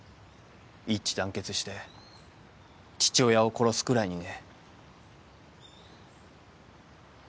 一致団結して父親を殺すくらいにね。